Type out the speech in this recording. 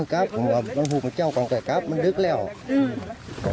กลับก็ย้อมว่าเขามาโทรหาตำรวจ